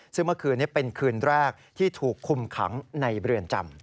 ซึ่งเมื่อคืนนี้เป็นคืนแรกที่ถูกคุมขังในเรือนจำ